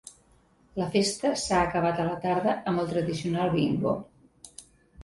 La festa s’ha acabat a la tarda amb el tradicional bingo.